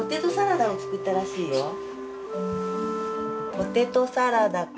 ポテトサラダか。